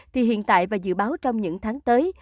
thì hiện tại và dự báo trong những tháng tới